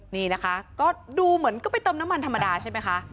นี่นะคะก็ดูเหมือนก็ไปเติมน้ำมันธรรมดาใช่ไหมคะ